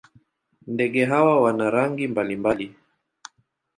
Ndege hawa wana rangi mbalimbali.